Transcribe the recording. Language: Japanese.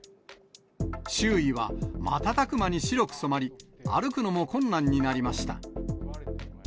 周囲は瞬く間に白く染まり、歩くのも困難になりました。